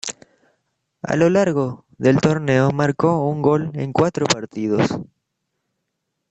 A lo largo del torneo marcó un gol en cuatro partidos.